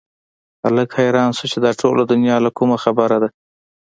هک حيران شو چې دا ټوله دنيا له کومه خبره ده.